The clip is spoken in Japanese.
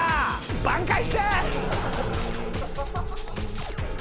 挽回して！